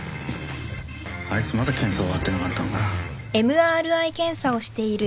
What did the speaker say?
あいつまだ検査終わってなかったのか。